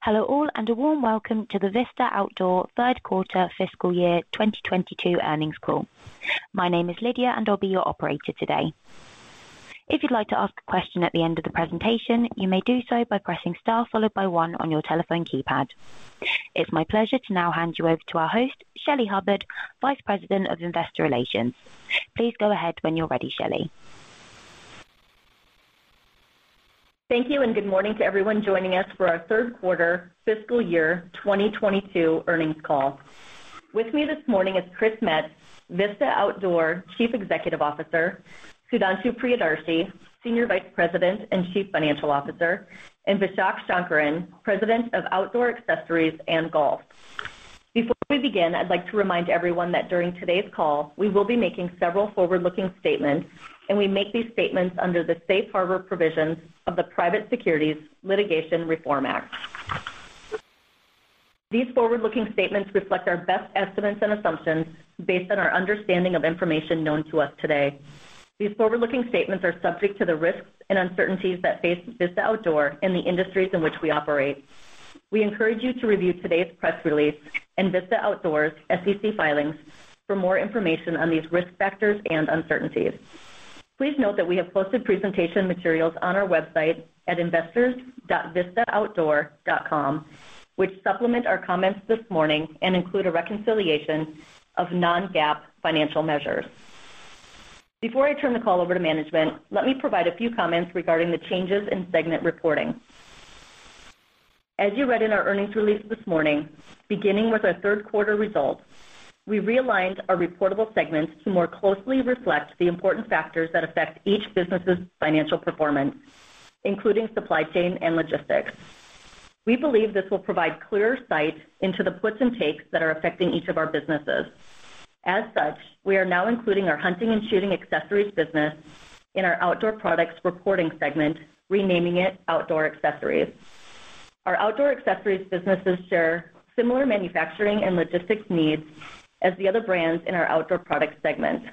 Hello all, and a warm welcome to the Vista Outdoor third quarter fiscal year 2022 earnings call. My name is Lydia, and I'll be your operator today. If you'd like to ask a question at the end of the presentation, you may do so by pressing star followed by one on your telephone keypad. It's my pleasure to now hand you over to our host, Shelly Hubbard, Vice President of Investor Relations. Please go ahead when you're ready, Shelley. Thank you, and good morning to everyone joining us for our third quarter fiscal year 2022 earnings call. With me this morning is Chris Metz, Vista Outdoor Chief Executive Officer, Sudhanshu Priyadarshi, Senior Vice President and Chief Financial Officer, and Vishak Sankaran, President of Outdoor Accessories and Golf. Before we begin, I'd like to remind everyone that during today's call, we will be making several forward-looking statements, and we make these statements under the Safe Harbor Provisions of the Private Securities Litigation Reform Act. These forward-looking statements reflect our best estimates and assumptions based on our understanding of information known to us today. These forward-looking statements are subject to the risks and uncertainties that face Vista Outdoor and the industries in which we operate. We encourage you to review today's press release and Vista Outdoor's SEC filings for more information on these risk factors and uncertainties. Please note that we have posted presentation materials on our website at investors.vistaoutdoor.com, which supplement our comments this morning and include a reconciliation of non-GAAP financial measures. Before I turn the call over to management, let me provide a few comments regarding the changes in segment reporting. As you read in our earnings release this morning, beginning with our third quarter results, we realigned our reportable segments to more closely reflect the important factors that affect each business's financial performance, including supply chain and logistics. We believe this will provide clearer sight into the puts and takes that are affecting each of our businesses. As such, we are now including our hunting and shooting accessories business in our outdoor products reporting segment, renaming it Outdoor Accessories. Our outdoor accessories businesses share similar manufacturing and logistics needs as the other brands in our outdoor products segment.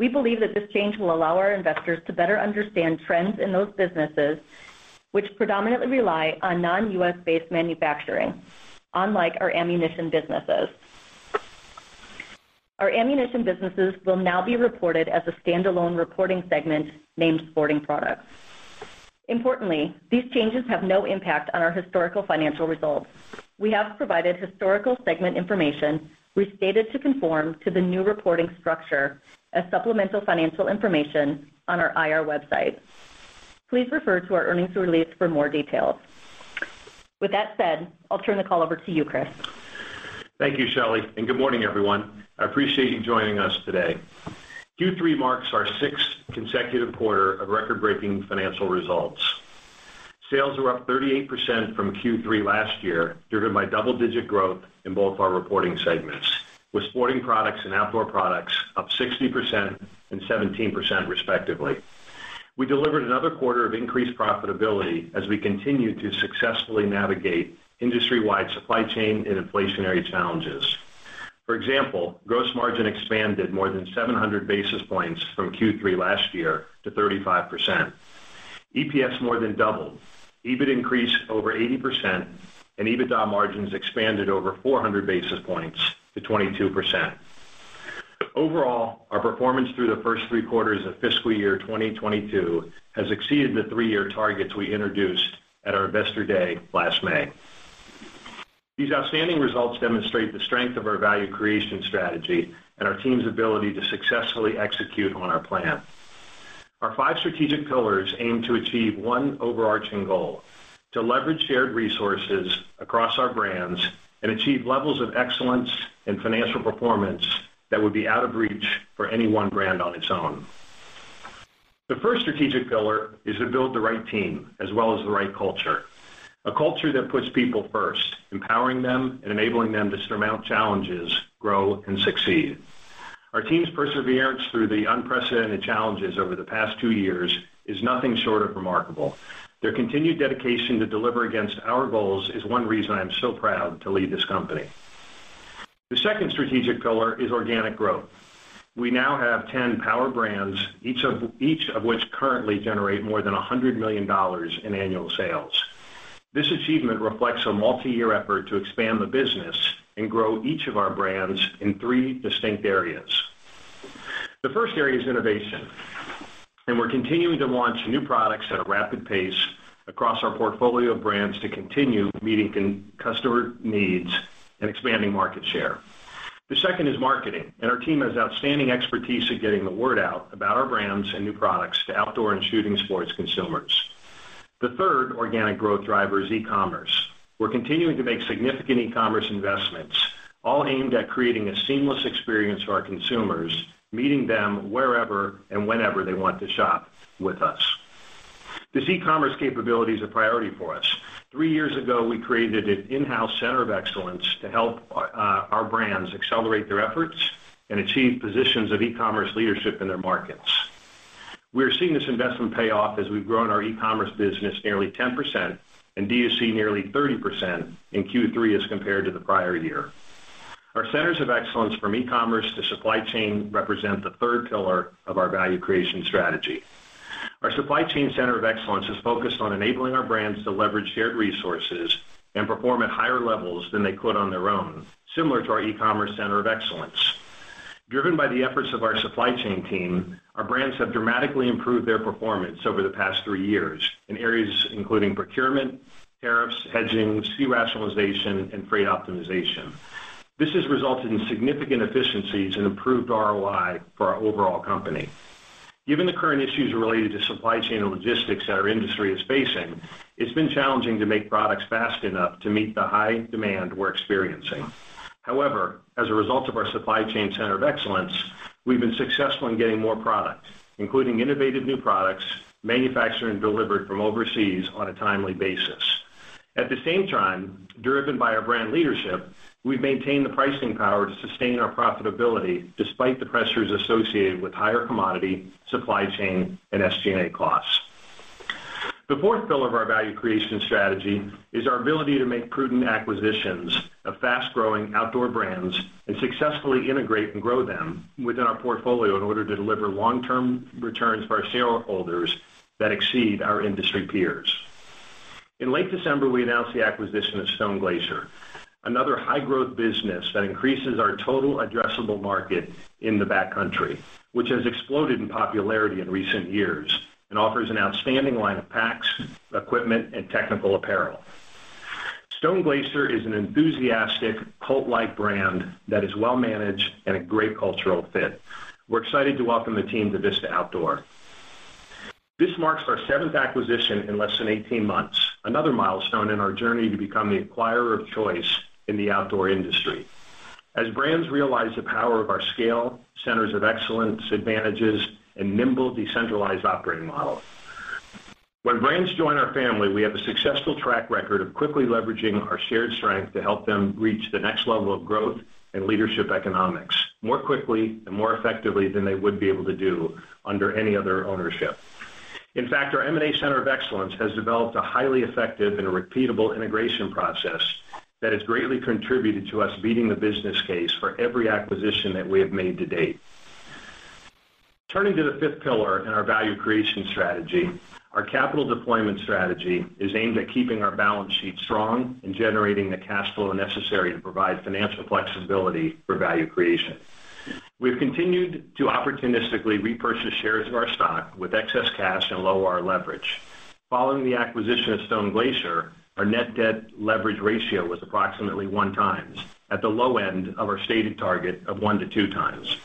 We believe that this change will allow our investors to better understand trends in those businesses, which predominantly rely on non-US-based manufacturing, unlike our ammunition businesses. Our ammunition businesses will now be reported as a standalone reporting segment named Sporting Products. Importantly, these changes have no impact on our historical financial results. We have provided historical segment information restated to conform to the new reporting structure as supplemental financial information on our IR website. Please refer to our earnings release for more details. With that said, I'll turn the call over to you, Chris. Thank you, Shelly, and good morning, everyone. I appreciate you joining us today. Q3 marks our sixth consecutive quarter of record-breaking financial results. Sales were up 38% from Q3 last year, driven by double-digit growth in both our reporting segments, with Sporting Products and Outdoor Products up 60% and 17% respectively. We delivered another quarter of increased profitability as we continue to successfully navigate industry-wide supply chain and inflationary challenges. For example, gross margin expanded more than 700 basis points from Q3 last year to 35%. EPS more than doubled. EBIT increased over 80%, and EBITDA margins expanded over 400 basis points to 22%. Overall, our performance through the first three quarters of fiscal year 2022 has exceeded the three-year targets we introduced at our Investor Day last May. These outstanding results demonstrate the strength of our value creation strategy and our team's ability to successfully execute on our plan. Our five strategic pillars aim to achieve one overarching goal, to leverage shared resources across our brands and achieve levels of excellence and financial performance that would be out of reach for any one brand on its own. The first strategic pillar is to build the right team as well as the right culture, a culture that puts people first, empowering them and enabling them to surmount challenges, grow, and succeed. Our team's perseverance through the unprecedented challenges over the past two years is nothing short of remarkable. Their continued dedication to deliver against our goals is one reason I'm so proud to lead this company. The second strategic pillar is organic growth. We now have 10 power brands, each of which currently generate more than $100 million in annual sales. This achievement reflects a multi-year effort to expand the business and grow each of our brands in three distinct areas. The first area is innovation, and we're continuing to launch new products at a rapid pace across our portfolio of brands to continue meeting customer needs and expanding market share. The second is marketing, and our team has outstanding expertise in getting the word out about our brands and new products to outdoor and shooting sports consumers. The third organic growth driver is e-commerce. We're continuing to make significant e-commerce investments, all aimed at creating a seamless experience for our consumers, meeting them wherever and whenever they want to shop with us. This e-commerce capability is a priority for us. Three years ago, we created an in-house center of excellence to help our brands accelerate their efforts and achieve positions of e-commerce leadership in their markets. We are seeing this investment pay off as we've grown our e-commerce business nearly 10% and D2C nearly 30% in Q3 as compared to the prior year. Our centers of excellence from e-commerce to supply chain represent the third pillar of our value creation strategy. Our supply chain center of excellence is focused on enabling our brands to leverage shared resources and perform at higher levels than they could on their own, similar to our e-commerce center of excellence. Driven by the efforts of our supply chain team, our brands have dramatically improved their performance over the past three years in areas including procurement, tariffs, hedging, SKU rationalization, and freight optimization. This has resulted in significant efficiencies and improved ROI for our overall company. Given the current issues related to supply chain and logistics that our industry is facing, it's been challenging to make products fast enough to meet the high demand we're experiencing. However, as a result of our supply chain center of excellence, we've been successful in getting more products, including innovative new products, manufactured and delivered from overseas on a timely basis. At the same time, driven by our brand leadership, we've maintained the pricing power to sustain our profitability despite the pressures associated with higher commodity, supply chain, and SG&A costs. The fourth pillar of our value creation strategy is our ability to make prudent acquisitions of fast-growing outdoor brands and successfully integrate and grow them within our portfolio in order to deliver long-term returns for our shareholders that exceed our industry peers. In late December, we announced the acquisition of Stone Glacier, another high-growth business that increases our total addressable market in the backcountry, which has exploded in popularity in recent years and offers an outstanding line of packs, equipment, and technical apparel. Stone Glacier is an enthusiastic cult-like brand that is well-managed and a great cultural fit. We're excited to welcome the team to Vista Outdoor. This marks our seventh acquisition in less than 18 months, another milestone in our journey to become the acquirer of choice in the outdoor industry. As brands realize the power of our scale, centers of excellence, advantages, and nimble, decentralized operating model. When brands join our family, we have a successful track record of quickly leveraging our shared strength to help them reach the next level of growth and leadership economics more quickly and more effectively than they would be able to do under any other ownership. In fact, our M&A center of excellence has developed a highly effective and repeatable integration process that has greatly contributed to us beating the business case for every acquisition that we have made to date. Turning to the fifth pillar in our value creation strategy, our capital deployment strategy is aimed at keeping our balance sheet strong and generating the cash flow necessary to provide financial flexibility for value creation. We've continued to opportunistically repurchase shares of our stock with excess cash and lower our leverage. Following the acquisition of Stone Glacier, our net debt leverage ratio was approximately 1x at the low end of our stated target of 1x-2x.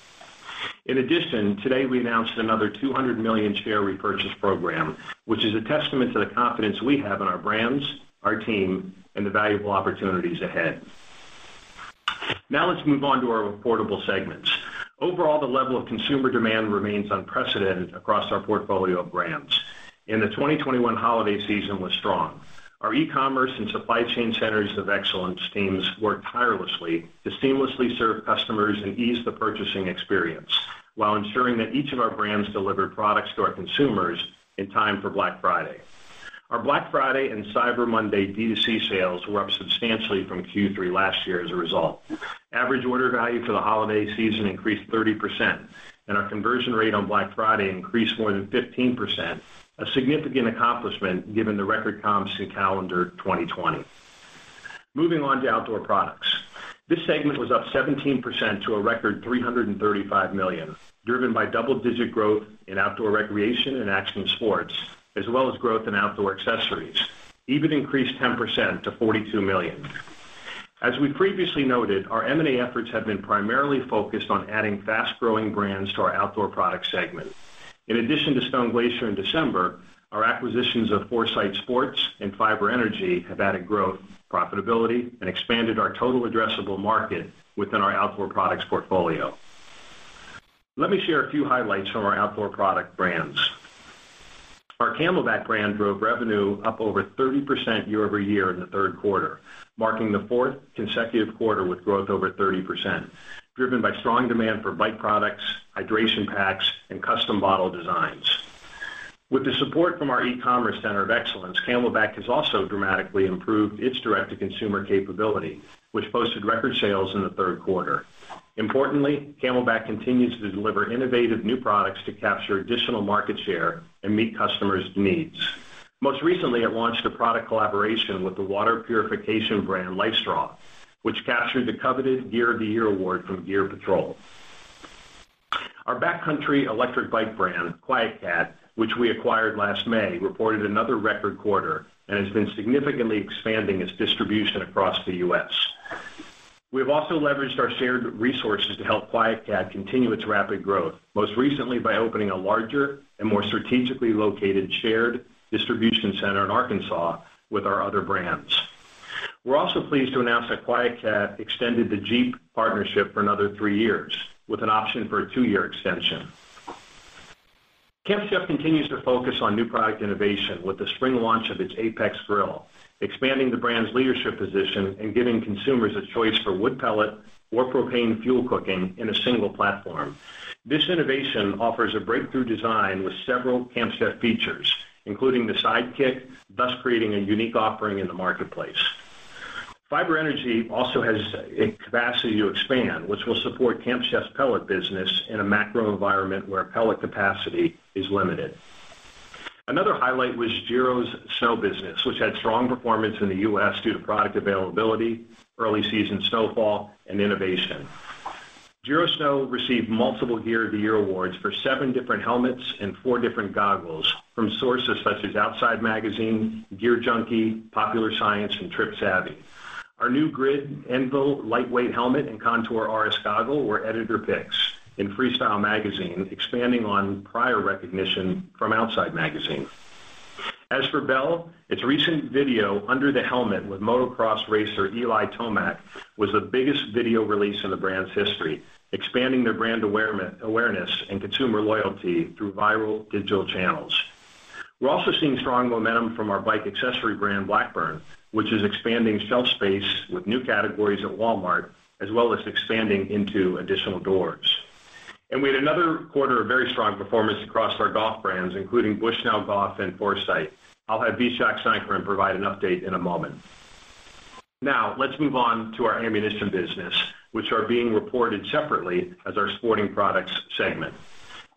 In addition, today we announced another $200 million share repurchase program, which is a testament to the confidence we have in our brands, our team, and the valuable opportunities ahead. Now let's move on to our reportable segments. Overall, the level of consumer demand remains unprecedented across our portfolio of brands, and the 2021 holiday season was strong. Our e-commerce and supply chain centers of excellence teams worked tirelessly to seamlessly serve customers and ease the purchasing experience while ensuring that each of our brands delivered products to our consumers in time for Black Friday. Our Black Friday and Cyber Monday D2C sales were up substantially from Q3 last year as a result. Average order value for the holiday season increased 30%, and our conversion rate on Black Friday increased more than 15%, a significant accomplishment given the record comps in calendar 2020. Moving on to Outdoor Products. This segment was up 17% to a record $335 million, driven by double-digit growth in outdoor recreation and action sports, as well as growth in Outdoor Accessories, even increased 10% to $42 million. As we previously noted, our M&A efforts have been primarily focused on adding fast-growing brands to our Outdoor Products segment. In addition to Stone Glacier in December, our acquisitions of Foresight Sports and Fiber Energy Products have added growth, profitability, and expanded our total addressable market within our Outdoor Products portfolio. Let me share a few highlights from our outdoor product brands. Our CamelBak brand drove revenue up over 30% year-over-year in the third quarter, marking the fourth consecutive quarter with growth over 30%, driven by strong demand for bike products, hydration packs, and custom bottle designs. With the support from our e-commerce center of excellence, CamelBak has also dramatically improved its direct-to-consumer capability, which posted record sales in the third quarter. Importantly, CamelBak continues to deliver innovative new products to capture additional market share and meet customers' needs. Most recently, it launched a product collaboration with the water purification brand LifeStraw, which captured the coveted Gear of the Year award from Gear Patrol. Our backcountry electric bike brand, QuietKat, which we acquired last May, reported another record quarter and has been significantly expanding its distribution across the U.S. We've also leveraged our shared resources to help QuietKat continue its rapid growth, most recently by opening a larger and more strategically located shared distribution center in Arkansas with our other brands. We're also pleased to announce that QuietKat extended the Jeep partnership for another three years with an option for a two-year extension. Camp Chef continues to focus on new product innovation with the spring launch of its Apex grill, expanding the brand's leadership position and giving consumers a choice for wood pellet or propane fuel cooking in a single platform. This innovation offers a breakthrough design with several Camp Chef features, including the Sidekick, thus creating a unique offering in the marketplace. Fiber Energy also has a capacity to expand, which will support Camp Chef's pellet business in a macro environment where pellet capacity is limited. Another highlight was Giro's snow business, which had strong performance in the U.S. due to product availability, early season snowfall, and innovation. Giro Snow received multiple Gear of the Year awards for seven different helmets and four different goggles from sources such as Outside Magazine, GearJunkie, Popular Science, and TripSavvy. Our new Grid/Envi lightweight helmet and Contour RS goggle were editor picks in Freeskier Magazine, expanding on prior recognition from Outside Magazine. As for Bell, its recent video, Under the Helmet, with motocross racer Eli Tomac, was the biggest video release in the brand's history, expanding their brand awareness and consumer loyalty through viral digital channels. We're also seeing strong momentum from our bike accessory brand, Blackburn, which is expanding shelf space with new categories at Walmart, as well as expanding into additional doors. We had another quarter of very strong performance across our golf brands, including Bushnell Golf and Foresight. I'll have Vishak Sankaran provide an update in a moment. Now, let's move on to our ammunition business, which is being reported separately as our Sporting Products segment.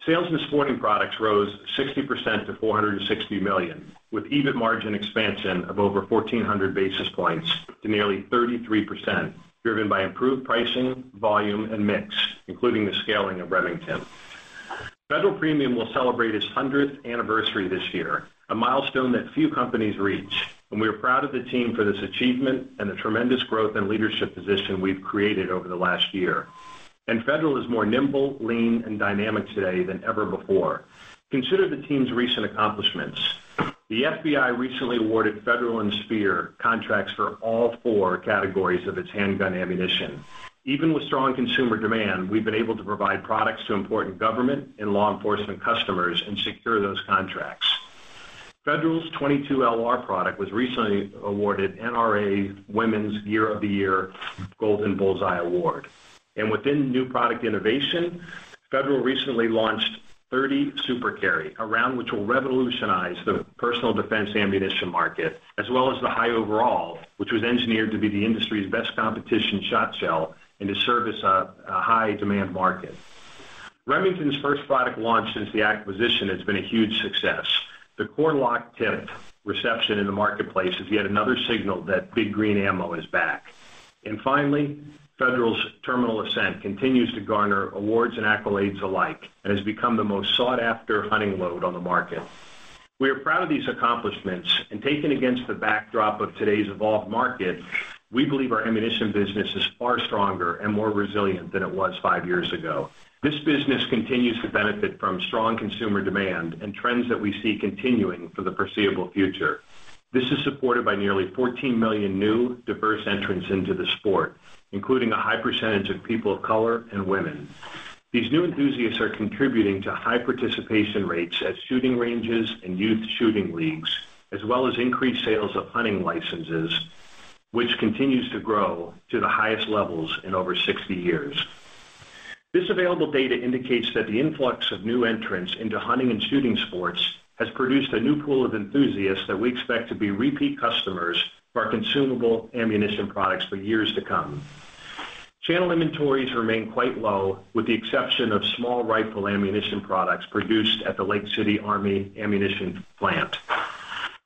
Sales in Sporting Products rose 60% to $460 million, with EBIT margin expansion of over 1,400 basis points to nearly 33%, driven by improved pricing, volume, and mix, including the scaling of Remington. Federal Premium will celebrate its 100th anniversary this year, a milestone that few companies reach, and we are proud of the team for this achievement and the tremendous growth and leadership position we've created over the last year. Federal is more nimble, lean, and dynamic today than ever before. Consider the team's recent accomplishments. The FBI recently awarded Federal and Speer contracts for all four categories of its handgun ammunition. Even with strong consumer demand, we've been able to provide products to important government and law enforcement customers and secure those contracts. Federal's 22 LR product was recently awarded NRA Women's Gear of the Year Golden Bullseye Award. Within new product innovation, Federal recently launched 30 Super Carry, a round which will revolutionize the personal defense ammunition market, as well as the High Over All, which was engineered to be the industry's best competition shotshell and to service a high-demand market. Remington's first product launch since the acquisition has been a huge success. The Core-Lokt Tipped reception in the marketplace is yet another signal that Big Green ammo is back. Finally, Federal's Terminal Ascent continues to garner awards and accolades alike and has become the most sought-after hunting load on the market. We are proud of these accomplishments, and taken against the backdrop of today's evolved market, we believe our ammunition business is far stronger and more resilient than it was five years ago. This business continues to benefit from strong consumer demand and trends that we see continuing for the foreseeable future. This is supported by nearly 14 million new, diverse entrants into the sport, including a high percentage of people of color and women. These new enthusiasts are contributing to high participation rates at shooting ranges and youth shooting leagues, as well as increased sales of hunting licenses, which continues to grow to the highest levels in over 60 years. This available data indicates that the influx of new entrants into hunting and shooting sports has produced a new pool of enthusiasts that we expect to be repeat customers for our consumable ammunition products for years to come. Channel inventories remain quite low, with the exception of small rifle ammunition products produced at the Lake City Army Ammunition Plant.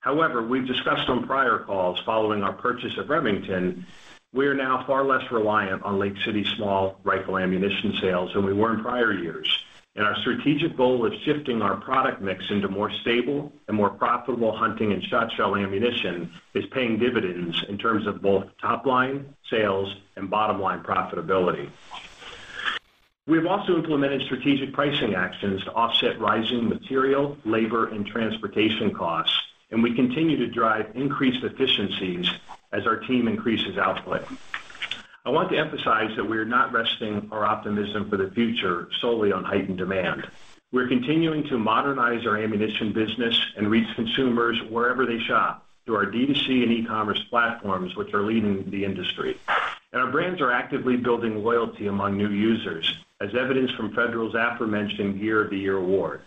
However, we've discussed on prior calls following our purchase of Remington. We are now far less reliant on Lake City small rifle ammunition sales than we were in prior years, and our strategic goal of shifting our product mix into more stable and more profitable hunting and shotshell ammunition is paying dividends in terms of both top-line sales and bottom-line profitability. We have also implemented strategic pricing actions to offset rising material, labor, and transportation costs, and we continue to drive increased efficiencies as our team increases output. I want to emphasize that we are not resting our optimism for the future solely on heightened demand. We're continuing to modernize our ammunition business and reach consumers wherever they shop through our D2C and e-commerce platforms, which are leading the industry. Our brands are actively building loyalty among new users, as evidenced from Federal's aforementioned Gear of the Year award.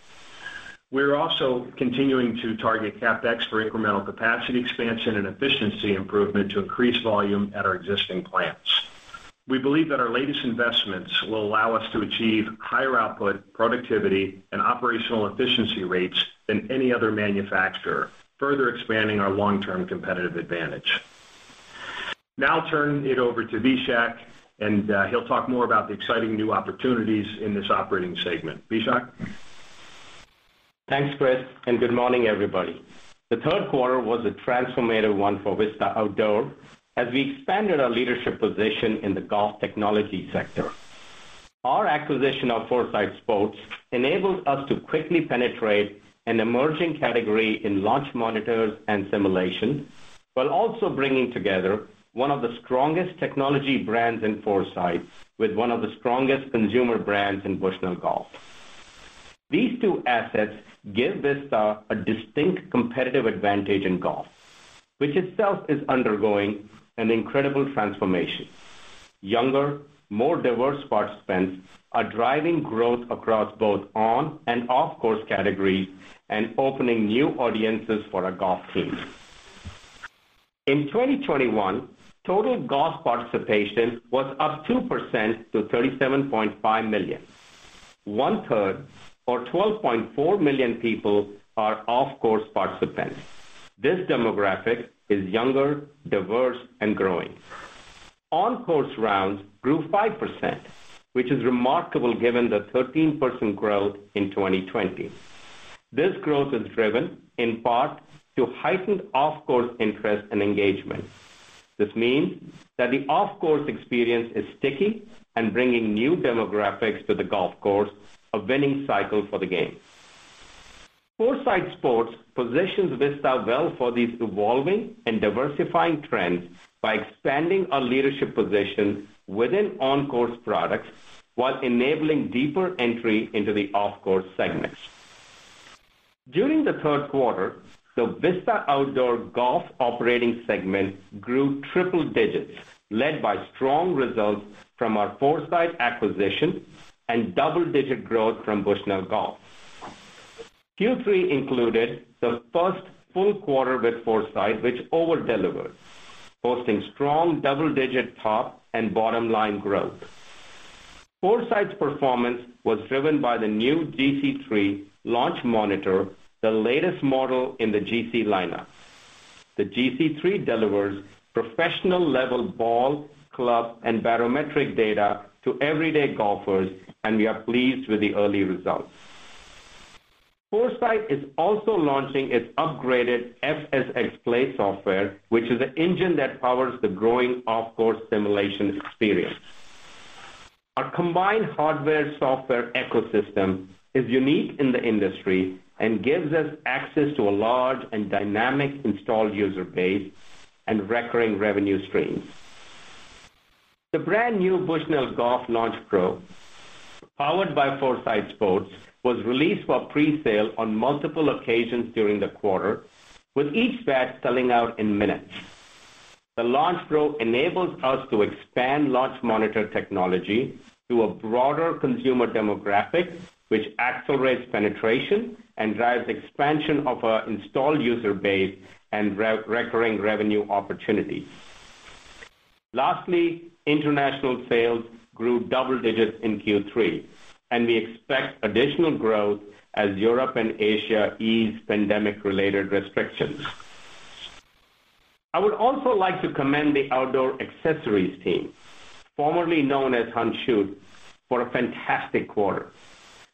We're also continuing to target CapEx for incremental capacity expansion and efficiency improvement to increase volume at our existing plants. We believe that our latest investments will allow us to achieve higher output, productivity, and operational efficiency rates than any other manufacturer, further expanding our long-term competitive advantage. Now I'll turn it over to Vishak. He'll talk more about the exciting new opportunities in this operating segment. Vishak? Thanks, Chris, and good morning, everybody. The third quarter was a transformative one for Vista Outdoor as we expanded our leadership position in the golf technology sector. Our acquisition of Foresight Sports enables us to quickly penetrate an emerging category in launch monitors and simulation, while also bringing together one of the strongest technology brands in Foresight with one of the strongest consumer brands in Bushnell Golf. These two assets give Vista a distinct competitive advantage in golf, which itself is undergoing an incredible transformation. Younger, more diverse participants are driving growth across both on and off-course categories and opening new audiences for our golf teams. In 2021, total golf participation was up 2% to 37.5 million. One-third or 12.4 million people are off-course participants. This demographic is younger, diverse and growing. On-course rounds grew 5%, which is remarkable given the 13% growth in 2020. This growth is driven in part to heightened off-course interest and engagement. This means that the off-course experience is sticky and bringing new demographics to the golf course, a winning cycle for the game. Foresight Sports positions Vista Outdoor well for these evolving and diversifying trends by expanding our leadership position within on-course products while enabling deeper entry into the off-course segments. During the third quarter, the Vista Outdoor Golf operating segment grew triple digits, led by strong results from our Foresight acquisition and double-digit growth from Bushnell Golf. Q3 included the first full quarter with Foresight, which over-delivered, posting strong double-digit top and bottom line growth. Foresight's performance was driven by the new GC3 launch monitor, the latest model in the GC lineup. The GC3 delivers professional level ball, club and barometric data to everyday golfers, and we are pleased with the early results. Foresight is also launching its upgraded FSX Play software, which is the engine that powers the growing off-course simulation experience. Our combined hardware software ecosystem is unique in the industry and gives us access to a large and dynamic installed user base and recurring revenue streams. The brand new Bushnell Golf Launch Pro, powered by Foresight Sports, was released for pre-sale on multiple occasions during the quarter, with each batch selling out in minutes. The Launch Pro enables us to expand launch monitor technology to a broader consumer demographic, which accelerates penetration and drives expansion of our installed user base and recurring revenue opportunities. Lastly, international sales grew double digits in Q3, and we expect additional growth as Europe and Asia ease pandemic related restrictions. I would also like to commend the Outdoor Accessories team, formerly known as Hunt Shoot, for a fantastic quarter.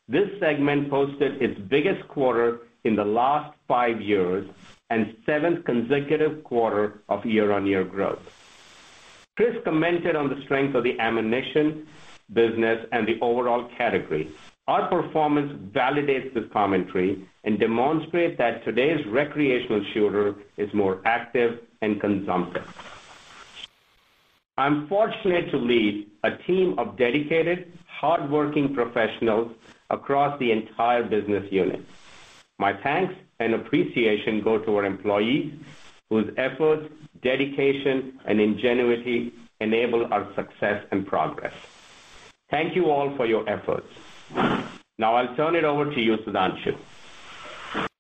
This segment posted its biggest quarter in the last five years and seventh consecutive quarter of year-on-year growth. Chris commented on the strength of the ammunition business and the overall category. Our performance validates this commentary and demonstrate that today's recreational shooter is more active and consumptive. I'm fortunate to lead a team of dedicated, hardworking professionals across the entire business unit. My thanks and appreciation go to our employees whose efforts, dedication, and ingenuity enable our success and progress. Thank you all for your efforts. Now, I'll turn it over to you, Sudhanshu.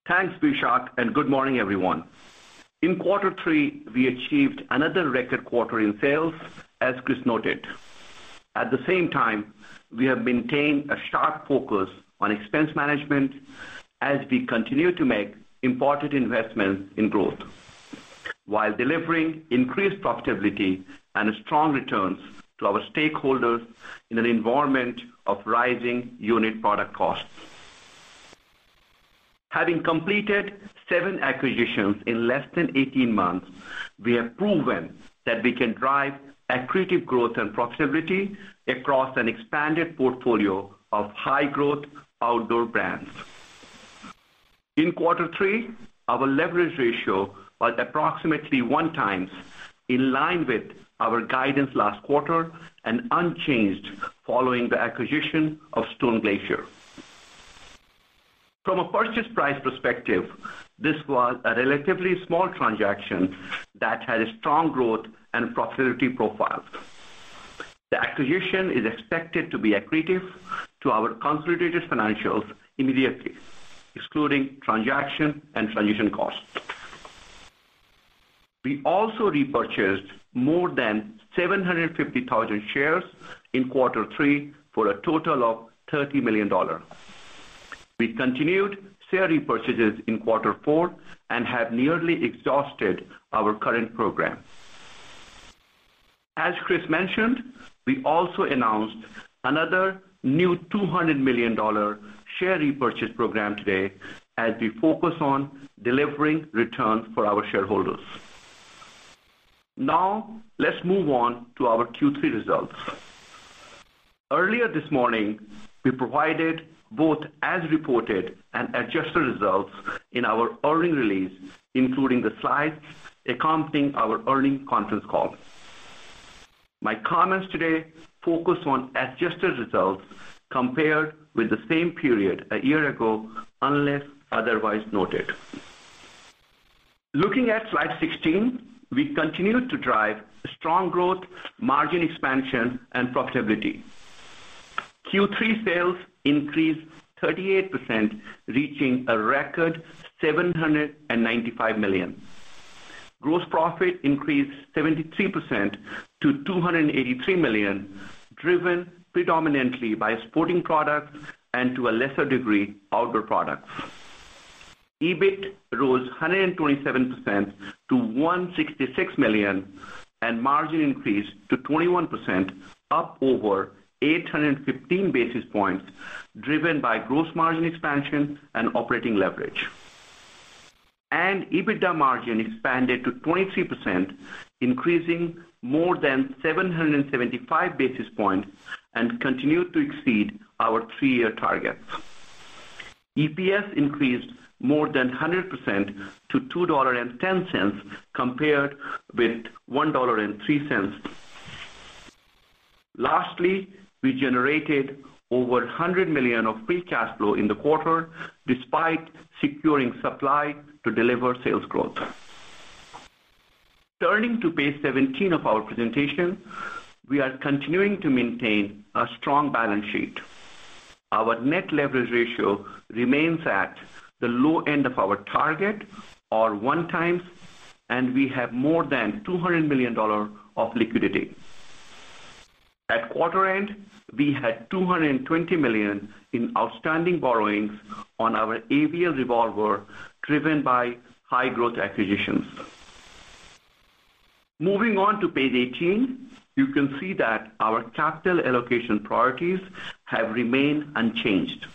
Thanks, Vishak, and good morning, everyone. In quarter three, we achieved another record quarter in sales, as Chris noted. At the same time, we have maintained a sharp focus on expense management as we continue to make important investments in growth while delivering increased profitability and strong returns to our stakeholders in an environment of rising unit product costs. Having completed seven acquisitions in less than eighteen months, we have proven that we can drive accretive growth and profitability across an expanded portfolio of high growth outdoor brands. In quarter three, our leverage ratio was approximately one times in line with our guidance last quarter and unchanged following the acquisition of Stone Glacier. From a purchase price perspective, this was a relatively small transaction that had a strong growth and profitability profile. The acquisition is expected to be accretive to our consolidated financials immediately, excluding transaction and transition costs. We also repurchased more than 750,000 shares in quarter three for a total of $30 million. We continued share repurchases in quarter four and have nearly exhausted our current program. As Chris mentioned, we also announced another new $200 million share repurchase program today as we focus on delivering returns for our shareholders. Now, let's move on to our Q3 results. Earlier this morning, we provided both as reported and adjusted results in our earnings release, including the slides accompanying our earnings conference call. My comments today focus on adjusted results compared with the same period a year ago, unless otherwise noted. Looking at slide 16, we continued to drive strong growth, margin expansion, and profitability. Q3 sales increased 38%, reaching a record $795 million. Gross profit increased 73% to $283 million, driven predominantly by Sporting Products and to a lesser degree, Outdoor Product. EBIT rose 127% to $166 million, and margin increased to 21%, up over 815 basis points, driven by gross margin expansion and operating leverage. EBITDA margin expanded to 23%, increasing more than 775 basis points and continued to exceed our three-year targets. EPS increased more than 100% to $2.10 compared with $1.03. Lastly, we generated over $100 million of free cash flow in the quarter despite securing supply to deliver sales growth. Turning to page 17 of our presentation, we are continuing to maintain a strong balance sheet. Our net leverage ratio remains at the low end of our target of 1x, and we have more than $200 million in liquidity. At quarter end, we had $220 million in outstanding borrowings on our ABL revolver, driven by high-growth acquisitions. Moving on to page 18, you can see that our capital allocation priorities have remained unchanged.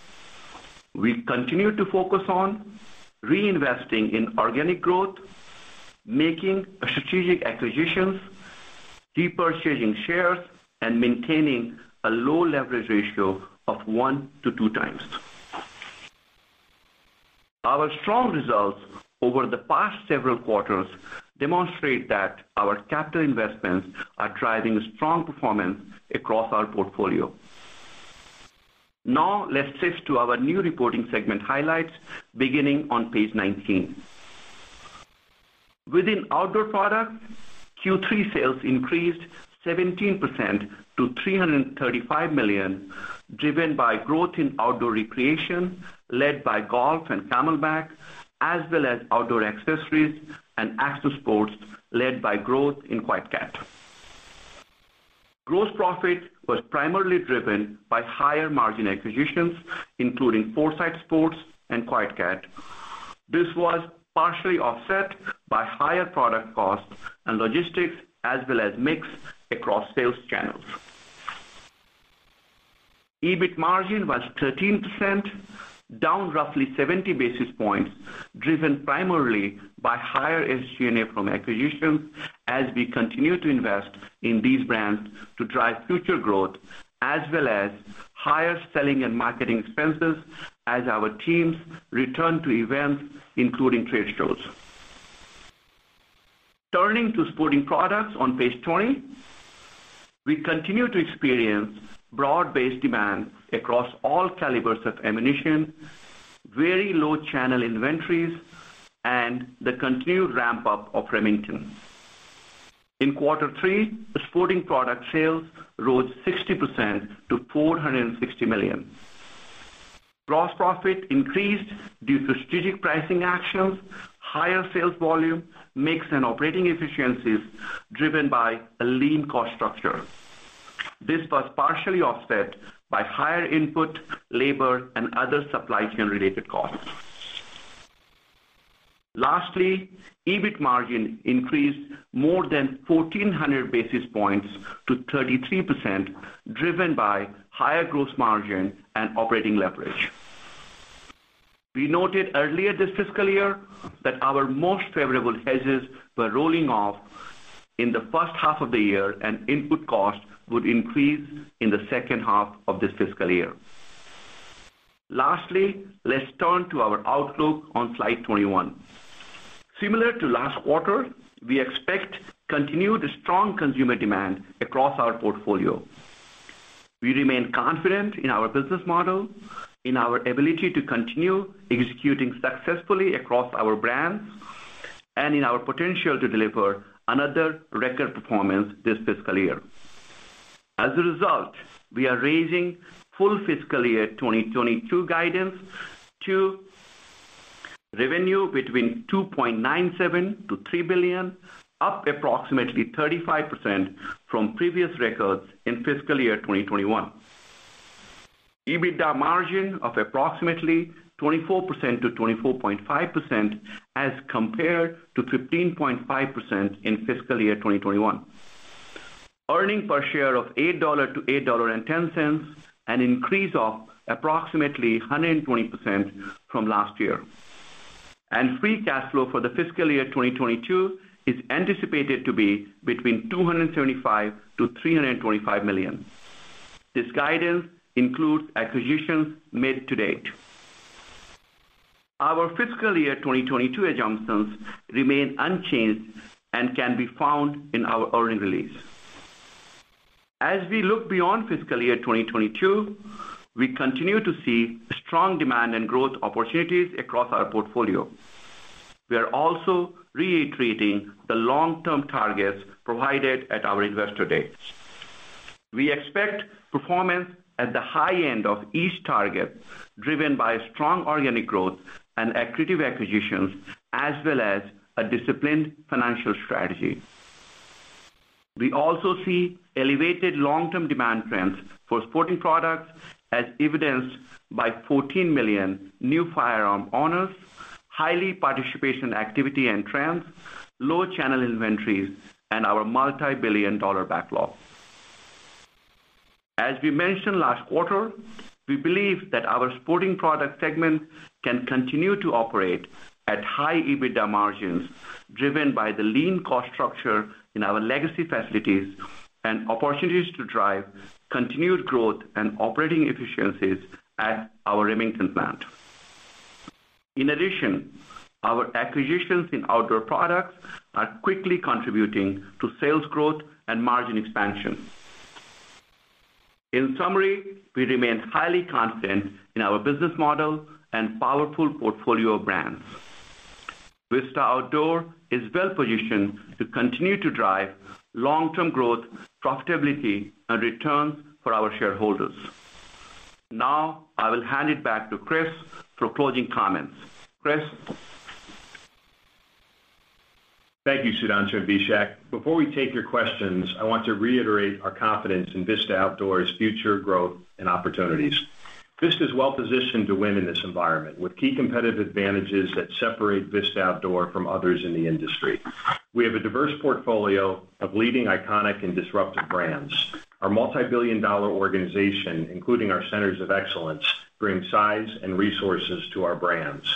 We continue to focus on reinvesting in organic growth, making strategic acquisitions, repurchasing shares, and maintaining a low leverage ratio of 1x-2x. Our strong results over the past several quarters demonstrate that our capital investments are driving strong performance across our portfolio. Now let's shift to our new reporting segment highlights beginning on page 19. Within outdoor products, Q3 sales increased 17% to $335 million, driven by growth in outdoor recreation, led by golf and CamelBak, as well as Outdoor Accessories and action sports, led by growth in QuietKat. Gross profit was primarily driven by higher margin acquisitions, including Foresight Sports and QuietKat. This was partially offset by higher product costs and logistics as well as mix across sales channels. EBIT margin was 13%, down roughly 70 basis points, driven primarily by higher SG&A from acquisitions as we continue to invest in these brands to drive future growth, as well as higher selling and marketing expenses as our teams return to events, including trade shows. Turning to Sporting Products on page 20, we continue to experience broad-based demand across all calibers of ammunition, very low channel inventories, and the continued ramp up of Remington. In quarter three, the Sporting Products sales rose 60% to $460 million. Gross profit increased due to strategic pricing actions, higher sales volume, mix, and operating efficiencies driven by a lean cost structure. This was partially offset by higher input, labor, and other supply chain related costs. Lastly, EBIT margin increased more than 1,400 basis points to 33%, driven by higher gross margin and operating leverage. We noted earlier this fiscal year that our most favorable hedges were rolling off in the first half of the year and input costs would increase in the second half of this fiscal year. Lastly, let's turn to our outlook on slide 21. Similar to last quarter, we expect continued strong consumer demand across our portfolio. We remain confident in our business model, in our ability to continue executing successfully across our brands, and in our potential to deliver another record performance this fiscal year. As a result, we are raising full fiscal year 2022 guidance to revenue between $2.97 billion-$3 billion, up approximately 35% from previous records in fiscal year 2021. EBITDA margin of approximately 24%-24.5% as compared to 15.5% in fiscal year 2021. Earnings per share of $8-$8.10, an increase of approximately 120% from last year. Free cash flow for the fiscal year 2022 is anticipated to be between $275 million-$325 million. This guidance includes acquisitions made to date. Our fiscal year 2022 adjustments remain unchanged and can be found in our earnings release. As we look beyond fiscal year 2022, we continue to see strong demand and growth opportunities across our portfolio. We are also reiterating the long-term targets provided at our investor day. We expect performance at the high end of each target, driven by strong organic growth and accretive acquisitions, as well as a disciplined financial strategy. We also see elevated long-term demand trends for Sporting Products as evidenced by 14 million new firearm owners, high participation activity and trends, low channel inventories, and our multi-billion-dollar backlog. As we mentioned last quarter, we believe that our Sporting Products segment can continue to operate at high EBITDA margins driven by the lean cost structure in our legacy facilities and opportunities to drive continued growth and operating efficiencies at our Remington plant. In addition, our acquisitions in outdoor products are quickly contributing to sales growth and margin expansion. In summary, we remain highly confident in our business model and powerful portfolio of brands. Vista Outdoor is well-positioned to continue to drive long-term growth, profitability and returns for our shareholders. Now I will hand it back to Chris for closing comments. Chris? Thank you, Sudhanshu and Vishak. Before we take your questions, I want to reiterate our confidence in Vista Outdoor's future growth and opportunities. Vista is well-positioned to win in this environment with key competitive advantages that separate Vista Outdoor from others in the industry. We have a diverse portfolio of leading, iconic, and disruptive brands. Our multi-billion dollar organization, including our centers of excellence, bring size and resources to our brands.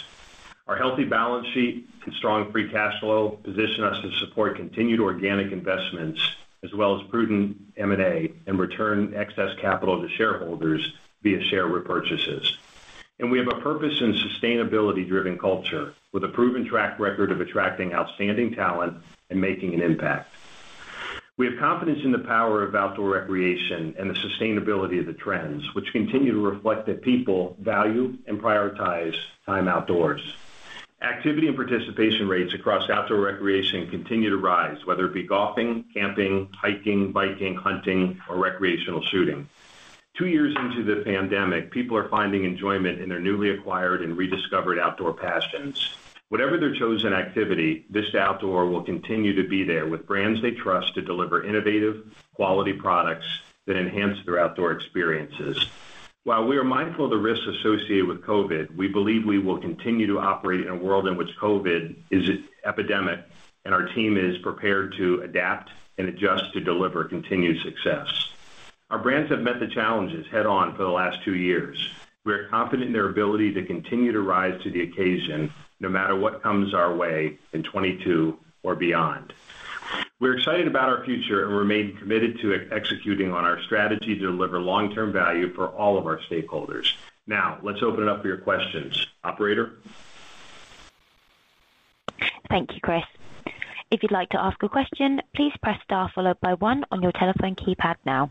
Our healthy balance sheet and strong free cash flow position us to support continued organic investments as well as prudent M&A and return excess capital to shareholders via share repurchases. We have a purpose in sustainability-driven culture with a proven track record of attracting outstanding talent and making an impact. We have confidence in the power of outdoor recreation and the sustainability of the trends, which continue to reflect that people value and prioritize time outdoors. Activity and participation rates across outdoor recreation continue to rise, whether it be golfing, camping, hiking, biking, hunting or recreational shooting. Two years into the pandemic, people are finding enjoyment in their newly acquired and rediscovered outdoor passions. Whatever their chosen activity, Vista Outdoor will continue to be there with brands they trust to deliver innovative, quality products that enhance their outdoor experiences. While we are mindful of the risks associated with COVID, we believe we will continue to operate in a world in which COVID is epidemic, and our team is prepared to adapt and adjust to deliver continued success. Our brands have met the challenges head on for the last two years. We are confident in their ability to continue to rise to the occasion no matter what comes our way in 2022 or beyond. We're excited about our future and remain committed to executing on our strategy to deliver long-term value for all of our stakeholders. Now, let's open it up for your questions. Operator? Thank you, Chris. If you'd like to ask a question, please press star followed by one on your telephone keypad now.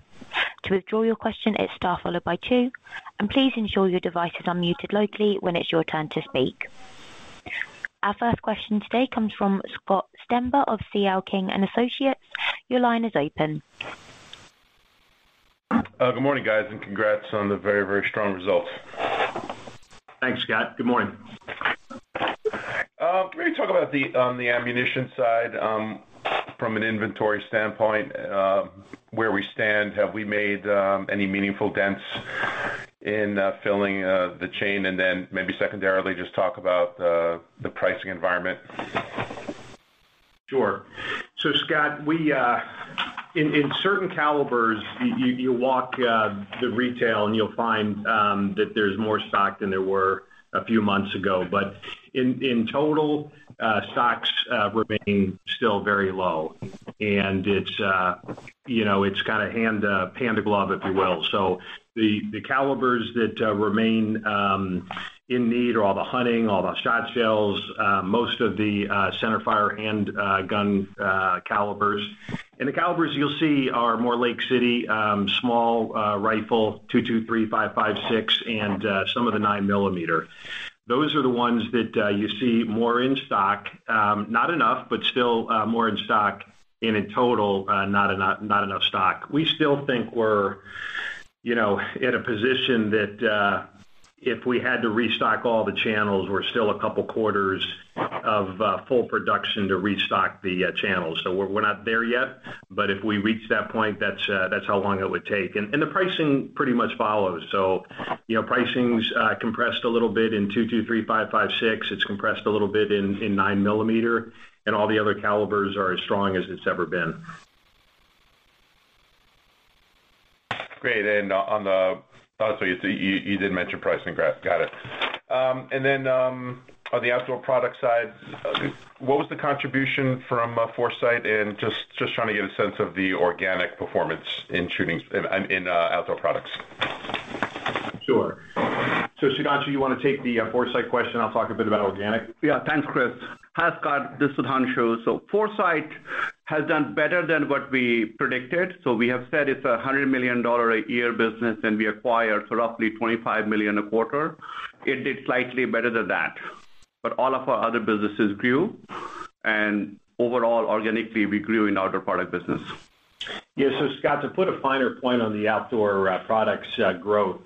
To withdraw your question, it's star followed by two, and please ensure your devices are muted locally when it's your turn to speak. Our first question today comes from Scott Stember of C.L. King & Associates. Your line is open. Good morning, guys, and congrats on the very, very strong results. Thanks, Scott. Good morning. Can you talk about the ammunition side from an inventory standpoint, where we stand? Have we made any meaningful dents in filling the chain? Then maybe secondarily, just talk about the pricing environment. Sure. Scott, we in certain calibers, you walk the retail and you'll find that there's more stock than there were a few months ago. In total, stocks remain still very low. It's kinda hand in glove, if you will. The calibers that remain in need are all the hunting, all the shotshells, most of the centerfire and gun calibers. The calibers you'll see are more Lake City, small rifle, .223, 5.56 and some of the 9 mm. Those are the ones that you see more in stock. Not enough, but still more in stock in total, not enough stock. We still think we're, you know, in a position that if we had to restock all the channels, we're still a couple quarters of full production to restock the channels. We're not there yet, but if we reach that point, that's how long it would take. The pricing pretty much follows. You know, pricing's compressed a little bit in .223, 5.56. It's compressed a little bit in 9 mm, and all the other calibers are as strong as it's ever been. Great. Oh, so you did mention pricing. Got it. On the outdoor product side, what was the contribution from Foresight? Just trying to get a sense of the organic performance in shooting in outdoor products. Sure. Sudhanshu, you wanna take the Foresight question? I'll talk a bit about organic. Yeah, thanks, Chris. Hi, Scott. This is Sudhanshu. Foresight has done better than what we predicted. We have said it's a $100 million a year business, and we acquired roughly $25 million a quarter. It did slightly better than that. All of our other businesses grew, and overall, organically, we grew in Outdoor Products business. Yeah. Scott, to put a finer point on the outdoor products growth.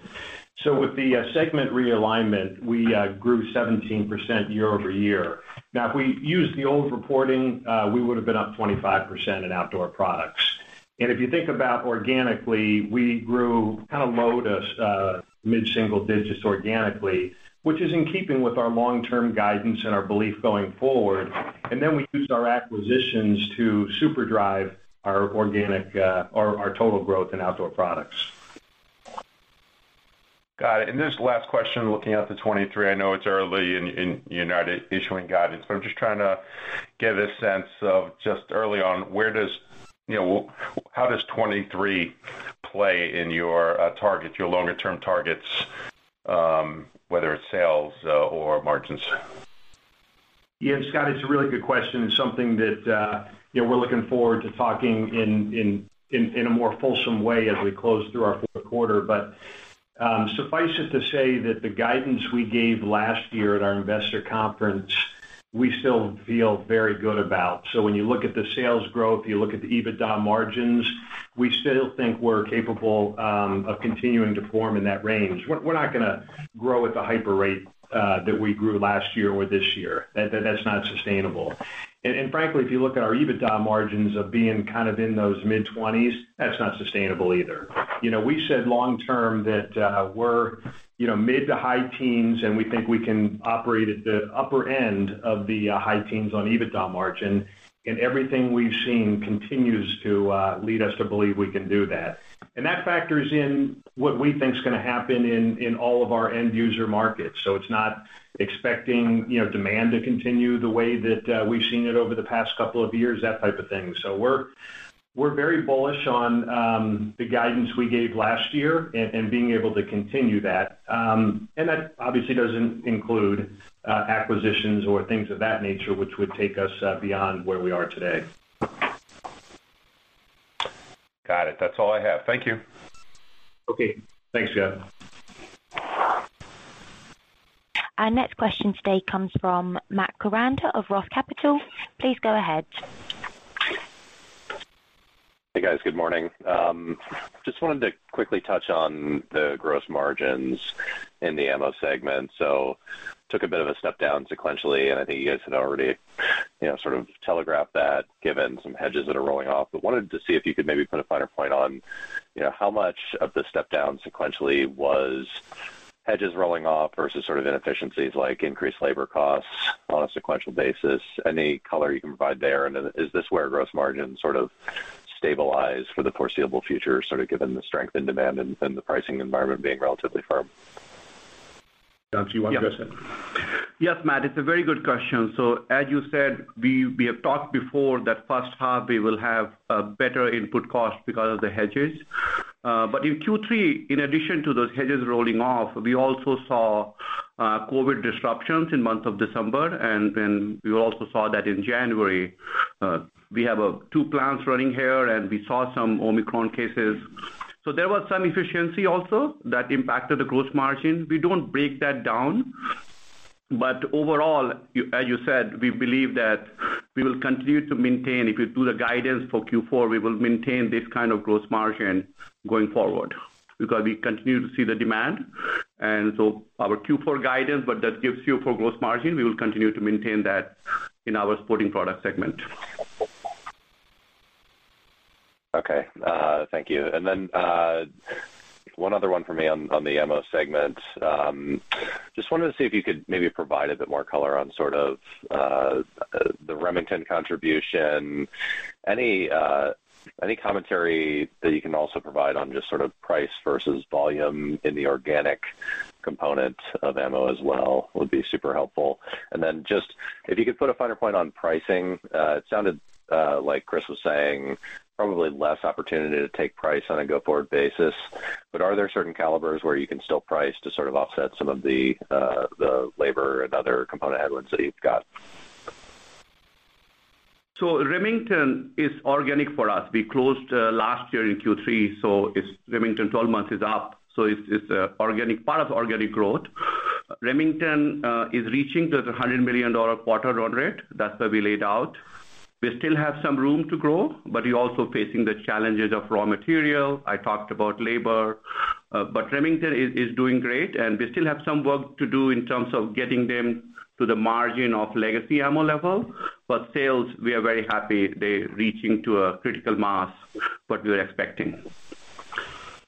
With the segment realignment, we grew 17% year-over-year. Now, if we used the old reporting, we would have been up 25% in outdoor products. If you think about organically, we grew kind of low- to mid-single digits organically, which is in keeping with our long-term guidance and our belief going forward. Then we used our acquisitions to super drive our organic, or our total growth in outdoor products. Got it. This last question, looking out to 2023, I know it's early and you're not issuing guidance, but I'm just trying to get a sense of just early on, where does, you know, how does 2023 play in your targets, your longer term targets, whether it's sales or margins? Yeah, Scott, it's a really good question. It's something that, you know, we're looking forward to talking in a more fulsome way as we close through our fourth quarter. Suffice it to say that the guidance we gave last year at our investor conference, we still feel very good about. When you look at the sales growth, you look at the EBITDA margins, we still think we're capable of continuing to perform in that range. We're not gonna grow at the hyper rate that we grew last year or this year. That's not sustainable. Frankly, if you look at our EBITDA margins of being kind of in those mid-20s, that's not sustainable either. You know, we said long-term that we're, you know, mid- to high teens, and we think we can operate at the upper end of the high teens on EBITDA margin, and everything we've seen continues to lead us to believe we can do that. That factors in what we think is gonna happen in all of our end user markets. It's not expecting, you know, demand to continue the way that we've seen it over the past couple of years, that type of thing. We're very bullish on the guidance we gave last year and being able to continue that. That obviously doesn't include acquisitions or things of that nature, which would take us beyond where we are today. Got it. That's all I have. Thank you. Okay. Thanks, Scott. Our next question today comes from Matt Koranda of ROTH Capital. Please go ahead. Hey, guys. Good morning. Just wanted to quickly touch on the gross margins in the ammo segment. Took a bit of a step down sequentially, and I think you guys had already, you know, sort of telegraphed that given some hedges that are rolling off. Wanted to see if you could maybe put a finer point on, you know, how much of the step down sequentially was hedges rolling off versus sort of inefficiencies like increased labor costs on a sequential basis? Any color you can provide there? Then is this where gross margin sort of stabilize for the foreseeable future, sort of given the strength in demand and the pricing environment being relatively firm? Sudhanshu, you wanna address that? Yes, Matt, it's a very good question. As you said, we have talked before that first half, we will have a better input cost because of the hedges. In Q3, in addition to those hedges rolling off, we also saw COVID disruptions in month of December, and then we also saw that in January. We have two plants running here, and we saw some Omicron cases. There was some efficiency also that impacted the growth margins. We don't break that down. Overall, as you said, we believe that we will continue to maintain, if you do the guidance for Q4, we will maintain this kind of gross margin going forward because we continue to see the demand. Our Q4 guidance, what that gives you for gross margin, we will continue to maintain that in our Sporting Products segment. Okay, thank you. One other one for me on the ammo segment. Just wanted to see if you could maybe provide a bit more color on sort of the Remington contribution? Any commentary that you can also provide on just sort of price versus volume in the organic component of ammo as well would be super helpful? Just if you could put a finer point on pricing, it sounded like Chris was saying, probably less opportunity to take price on a go-forward basis. Are there certain calibers where you can still price to sort of offset some of the labor and other component headwinds that you've got? Remington is organic for us. We closed last year in Q3. It's Remington 12 months is up. It's organic, part of organic growth. Remington is reaching the $100 million quarter run rate. That's what we laid out. We still have some room to grow, but we're also facing the challenges of raw material. I talked about labor, but Remington is doing great, and we still have some work to do in terms of getting them to the margin of legacy ammo level. Sales, we are very happy. They're reaching a critical mass, what we were expecting.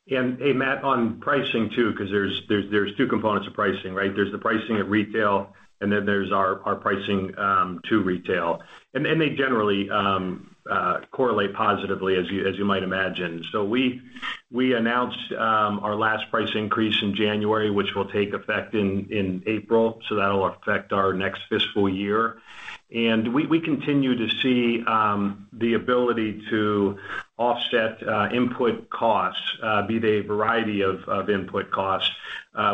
Hey, Matt, on pricing too, 'cause there's two components of pricing, right? There's the pricing at retail, and then there's our pricing to retail. They generally correlate positively as you might imagine. We announced our last price increase in January, which will take effect in April, so that'll affect our next fiscal year. We continue to see the ability to offset input costs, be they a variety of input costs,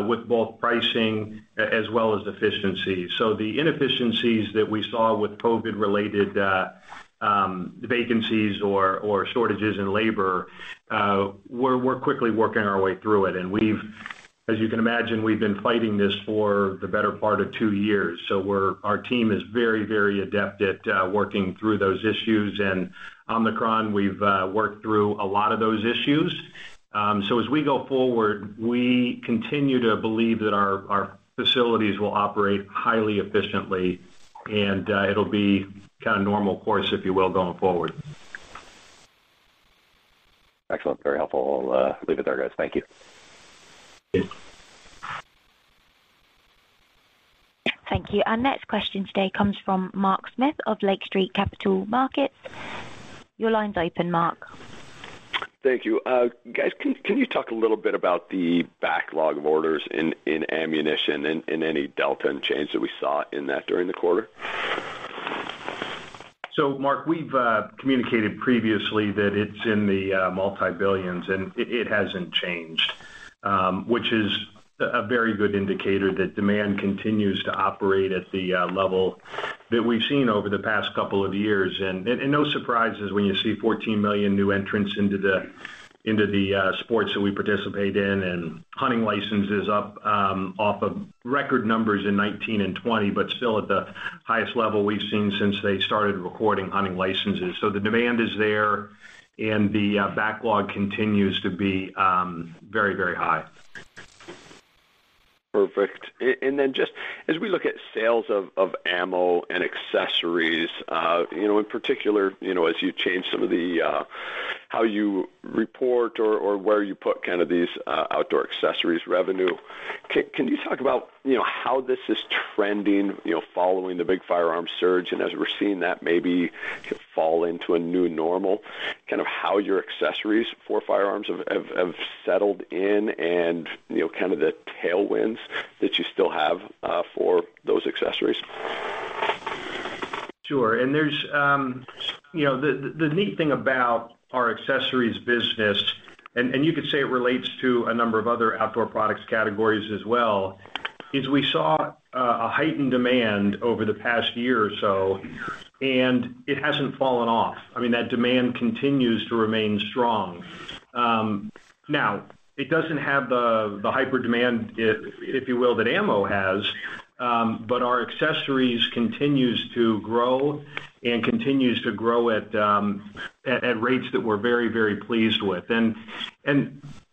with both pricing as well as efficiency. The inefficiencies that we saw with COVID-related vacancies or shortages in labor we're quickly working our way through it. As you can imagine, we've been fighting this for the better part of two years. Our team is very, very adept at working through those issues. Omicron, we've worked through a lot of those issues. As we go forward, we continue to believe that our facilities will operate highly efficiently and it'll be kind of normal course, if you will, going forward. Excellent. Very helpful. I'll leave it there, guys. Thank you. Thanks. Thank you. Our next question today comes from Mark Smith of Lake Street Capital Markets. Your line's open, Mark. Thank you. Guys, can you talk a little bit about the backlog of orders in ammunition and any delta in change that we saw in that during the quarter? Mark, we've communicated previously that it's in the multi-billions, and it hasn't changed, which is a very good indicator that demand continues to operate at the level that we've seen over the past couple of years. No surprises when you see 14 million new entrants into the sports that we participate in, and hunting licenses up off of record numbers in 2019 and 2020, but still at the highest level we've seen since they started recording hunting licenses. The demand is there and the backlog continues to be very, very high. Perfect. Just as we look at sales of ammo and accessories, you know, in particular, you know, as you change some of the how you report or where you put kind of these Outdoor Accessories revenue, can you talk about, you know, how this is trending, you know, following the big firearm surge and as we're seeing that maybe fall into a new normal, kind of how your accessories for firearms have settled in and, you know, kind of the tailwinds that you still have for those accessories? Sure. There's, you know, the neat thing about our accessories business, and you could say it relates to a number of other outdoor products categories as well, is we saw a heightened demand over the past year or so, and it hasn't fallen off. I mean, that demand continues to remain strong. Now, it doesn't have the hyper demand, if you will, that ammo has, but our accessories continues to grow and continues to grow at rates that we're very pleased with.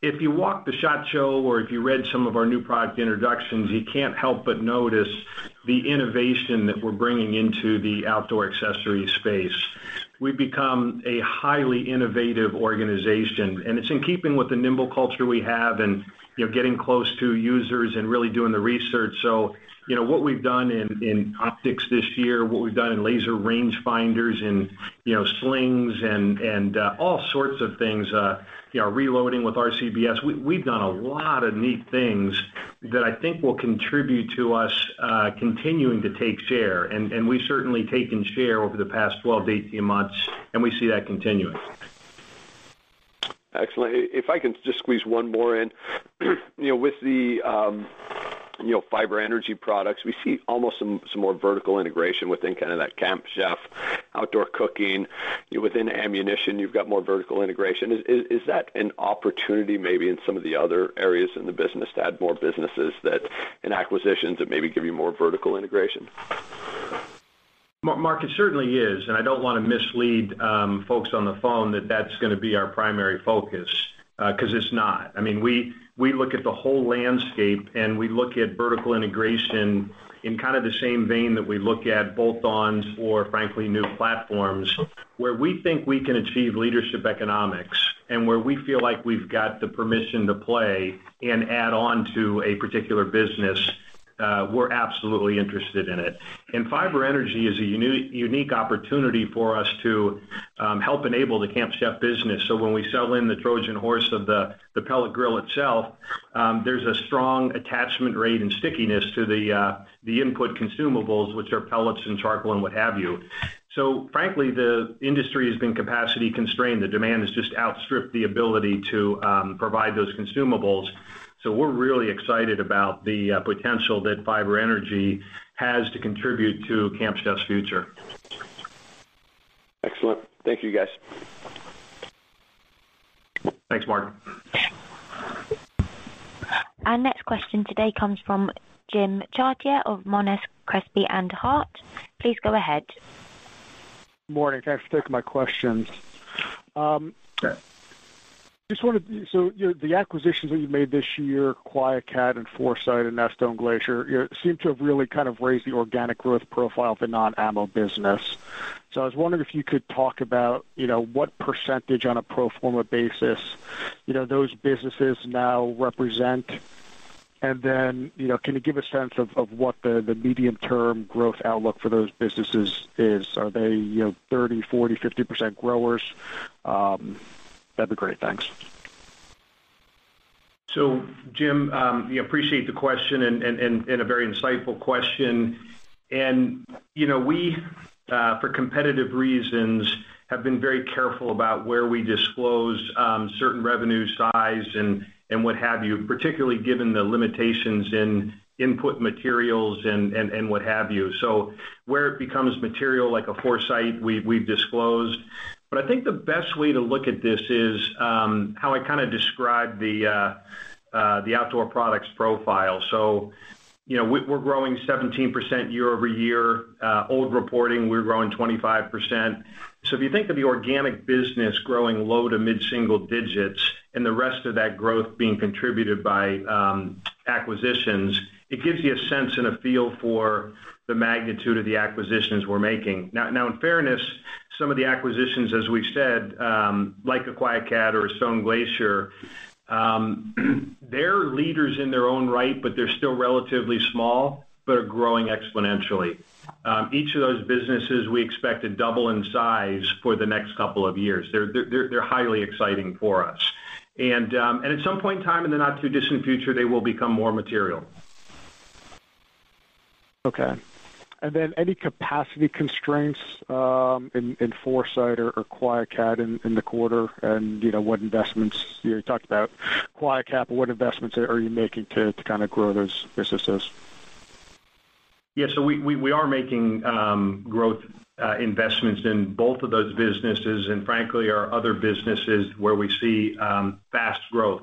If you walk the SHOT Show or if you read some of our new product introductions, you can't help but notice the innovation that we're bringing into the Outdoor Accessories space. We've become a highly innovative organization, and it's in keeping with the nimble culture we have and, you know, getting close to users and really doing the research. You know, what we've done in optics this year, what we've done in laser range finders and, you know, slings and all sorts of things, you know, reloading with RCBS, we've done a lot of neat things that I think will contribute to us continuing to take share. We've certainly taken share over the past 12-18 months, and we see that continuing. Excellent. If I can just squeeze one more in. You know, with the Fiber Energy Products, we see almost some more vertical integration within kind of that Camp Chef outdoor cooking. Within ammunition, you've got more vertical integration. Is that an opportunity maybe in some of the other areas in the business to add more businesses and acquisitions that maybe give you more vertical integration? Mark, it certainly is. I don't wanna mislead folks on the phone that that's gonna be our primary focus, 'cause it's not. I mean, we look at the whole landscape and we look at vertical integration in kind of the same vein that we look at bolt-ons or frankly, new platforms where we think we can achieve leadership economics and where we feel like we've got the permission to play and add on to a particular business, we're absolutely interested in it. Fiber Energy is a unique opportunity for us to help enable the Camp Chef business. When we sell in the Trojan horse of the pellet grill itself, there's a strong attachment rate and stickiness to the input consumables, which are pellets and charcoal and what have you. Frankly, the industry has been capacity constrained. The demand has just outstripped the ability to provide those consumables. We're really excited about the potential that Fiber Energy has to contribute to Camp Chef's future. Excellent. Thank you, guys. Thanks, Mark. Our next question today comes from [Jim] Chartier of Monness, Crespi, Hardt. Please go ahead. Morning. Thanks for taking my questions. You know, the acquisitions that you made this year, QuietKat and Foresight and now Stone Glacier, you know, seem to have really kind of raised the organic growth profile for non-ammo business. I was wondering if you could talk about, you know, what percentage on a pro forma basis, you know, those businesses now represent? You know, can you give a sense of what the medium-term growth outlook for those businesses is? Are they, you know, 30%, 40%, 50% growers? That'd be great. Thanks. Jim, we appreciate the question and a very insightful question. You know, we for competitive reasons have been very careful about where we disclose certain revenue size and what have you, particularly given the limitations in input materials and what have you. Where it becomes material like a Foresight, we've disclosed. I think the best way to look at this is how I kinda describe the outdoor products profile. You know, we're growing 17% year-over-year. Old reporting, we're growing 25%. If you think of the organic business growing low to mid-single digits and the rest of that growth being contributed by acquisitions, it gives you a sense and a feel for the magnitude of the acquisitions we're making. Now in fairness, some of the acquisitions, as we've said, like a QuietKat or a Stone Glacier, they're leaders in their own right, but they're still relatively small, but are growing exponentially. Each of those businesses we expect to double in size for the next couple of years. They're highly exciting for us. At some point in time in the not-too-distant future, they will become more material. Okay. Any capacity constraints in Foresight or QuietKat in the quarter and, you know, what investments? You talked about QuietKat, but what investments are you making to kind of grow those businesses? We are making growth investments in both of those businesses and frankly, our other businesses where we see fast growth.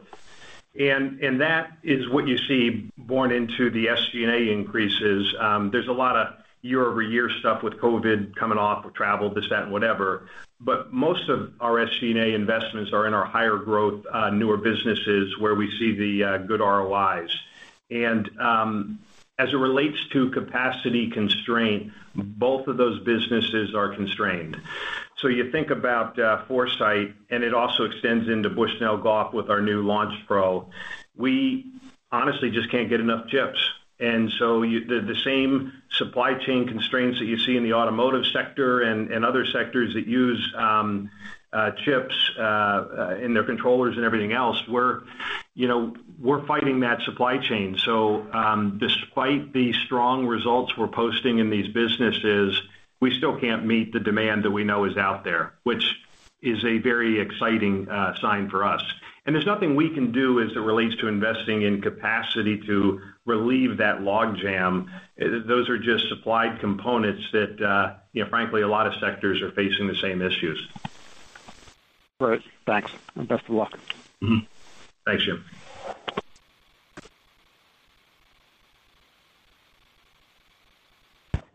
That is what you see borne out in the SG&A increases. There's a lot of year-over-year stuff with COVID coming off of travel, this, that, and whatever. Most of our SG&A investments are in our higher growth newer businesses where we see the good ROIs. As it relates to capacity constraint, both of those businesses are constrained. You think about Foresight, and it also extends into Bushnell Golf with our new Launch Pro. We honestly just can't get enough chips. The same supply chain constraints that you see in the automotive sector and other sectors that use chips in their controllers and everything else, we're, you know, fighting that supply chain. Despite the strong results we're posting in these businesses, we still can't meet the demand that we know is out there, which is a very exciting sign for us. There's nothing we can do as it relates to investing in capacity to relieve that logjam. Those are just supply components that, you know, frankly, a lot of sectors are facing the same issues. Great. Thanks, and best of luck. Mm-hmm. Thanks, Jim.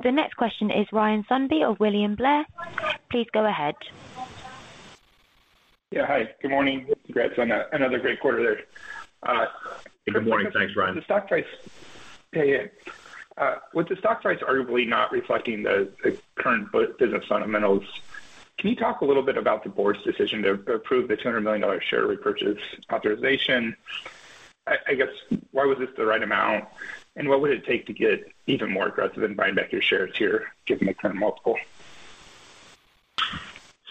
The next question is Ryan Sundby of William Blair. Please go ahead. Yeah. Hi, good morning. Congrats on another great quarter there. Good morning. Thanks, Ryan. With the stock price arguably not reflecting the current business fundamentals, can you talk a little bit about the board's decision to approve the $200 million share repurchase authorization? I guess why was this the right amount, and what would it take to get even more aggressive in buying back your shares here given the current multiple?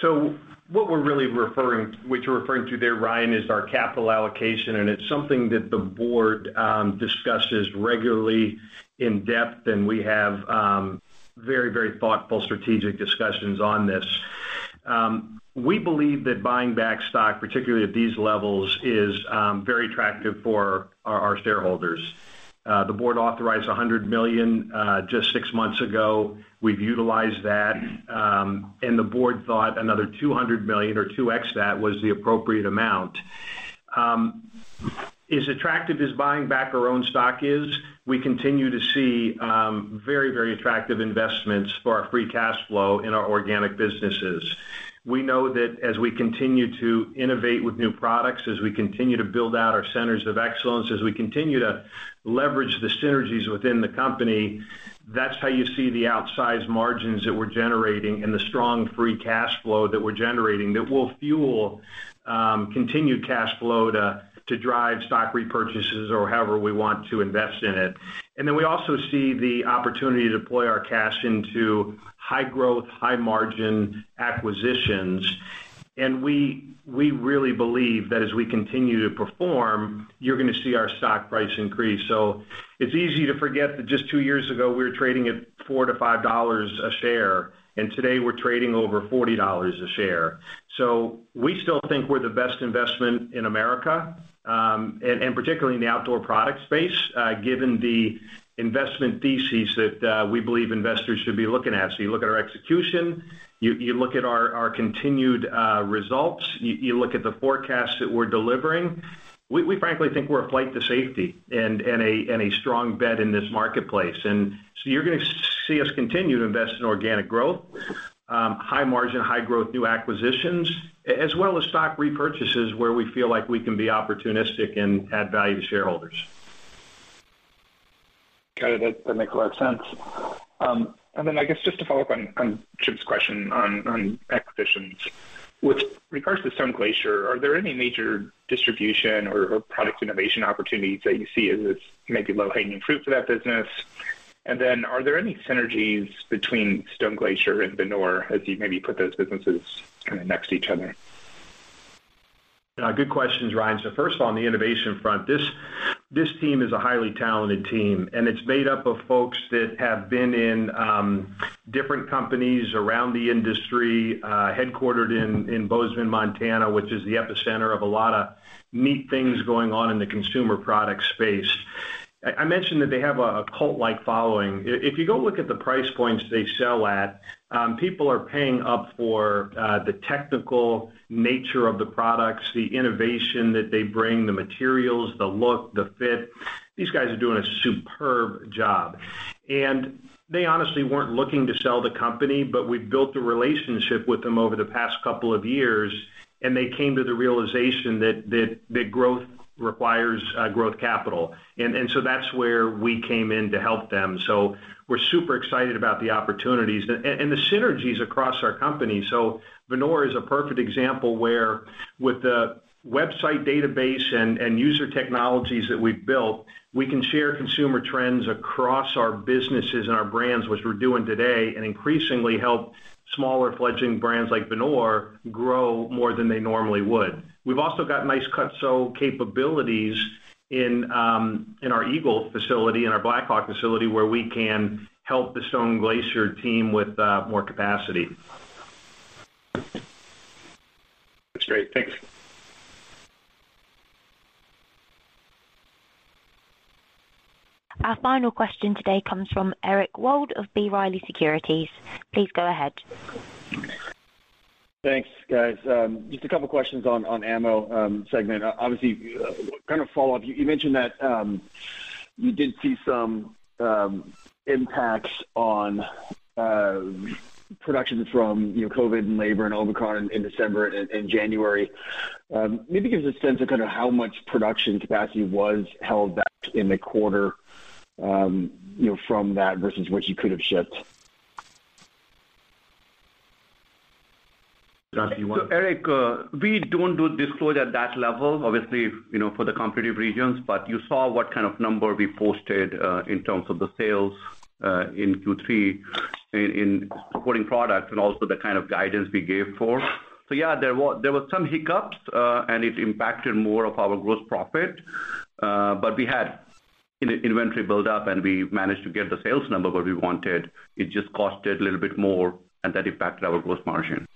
What you're referring to there, Ryan, is our capital allocation, and it's something that the board discusses regularly in depth, and we have very, very thoughtful strategic discussions on this. We believe that buying back stock, particularly at these levels, is very attractive for our shareholders. The board authorized $100 million just six months ago. We've utilized that, and the board thought another $200 million or 2x that was the appropriate amount. As attractive as buying back our own stock is, we continue to see very, very attractive investments for our free cash flow in our organic businesses. We know that as we continue to innovate with new products, as we continue to build out our centers of excellence, as we continue to leverage the synergies within the company, that's how you see the outsized margins that we're generating and the strong free cash flow that we're generating that will fuel continued cash flow to drive stock repurchases or however we want to invest in it. We also see the opportunity to deploy our cash into high growth, high margin acquisitions. We really believe that as we continue to perform, you're gonna see our stock price increase. It's easy to forget that just two years ago, we were trading at $4-$5 a share, and today we're trading over $40 a share. We still think we're the best investment in America, and particularly in the outdoor product space, given the investment thesis that we believe investors should be looking at. You look at our execution, you look at our continued results, you look at the forecast that we're delivering. We frankly think we're a flight to safety and a strong bet in this marketplace. You're gonna see us continue to invest in organic growth, high margin, high growth, new acquisitions, as well as stock repurchases where we feel like we can be opportunistic and add value to shareholders. Got it. That makes a lot of sense. I guess just to follow up on Chip's question on acquisitions. With regards to Stone Glacier, are there any major distribution or product innovation opportunities that you see as it's maybe low-hanging fruit for that business? Are there any synergies between Stone Glacier and Venor as you maybe put those businesses kind of next to each other? Good questions, Ryan. First of all, on the innovation front, this team is a highly talented team, and it's made up of folks that have been in different companies around the industry, headquartered in Bozeman, Montana, which is the epicenter of a lot of neat things going on in the consumer product space. I mentioned that they have a cult-like following. If you go look at the price points they sell at, people are paying up for the technical nature of the products, the innovation that they bring, the materials, the look, the fit. These guys are doing a superb job. They honestly weren't looking to sell the company, but we've built a relationship with them over the past couple of years, and they came to the realization that growth requires growth capital. That's where we came in to help them. We're super excited about the opportunities and the synergies across our company. Venor is a perfect example where with the website database and user technologies that we've built, we can share consumer trends across our businesses and our brands, which we're doing today, and increasingly help smaller fledgling brands like Venor grow more than they normally would. We've also got nice cut-sew capabilities in our Eagle facility and our Blackhawk facility, where we can help the Stone Glacier team with more capacity. That's great. Thanks. Our final question today comes from Eric Wold of B. Riley Securities. Please go ahead. Thanks, guys. Just a couple questions on ammo segment. Obviously, kind of follow-up, you mentioned that you did see some impacts on productions from, you know, COVID and labor and Omicron in December and January. Maybe give us a sense of kind of how much production capacity was held back in the quarter, you know, from that versus what you could have shipped? [Sudhanshu], do you want? Eric, we don't do disclosure at that level, obviously, you know, for the competitive reasons. You saw what kind of number we posted in terms of the sales in Q3 in reporting products and also the kind of guidance we gave for. Yeah, there was some hiccups, and it impacted more of our gross profit, but we had inventory buildup, and we managed to get the sales number what we wanted. It just cost a little bit more, and that impacted our gross margin.